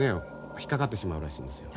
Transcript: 引っ掛かってしまうらしいんですよ。